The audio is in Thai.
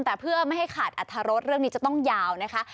แต่เพื่อไม่ให้ขาดอัตรรสเรื่องนี้จะต้องยาวนะคะ